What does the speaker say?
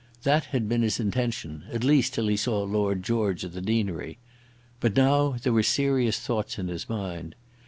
That had been his intention, at least till he saw Lord George at the deanery. But now there were serious thoughts in his mind.